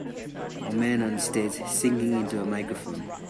a man on stage singing into a microphone.